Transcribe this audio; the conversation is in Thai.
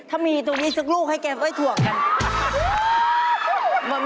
ถ้ามีตรงนี้สักลูกให้แกไว้ถั่วกัน